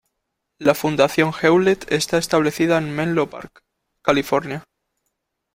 La fundación Hewlett está establecida en Menlo Park, California.